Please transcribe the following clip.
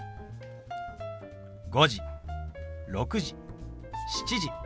「５時」「６時」「７時」。